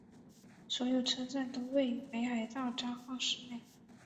所有车站都位于北海道札幌市内。